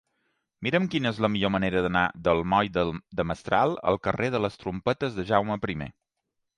Mira'm quina és la millor manera d'anar del moll de Mestral al carrer de les Trompetes de Jaume I.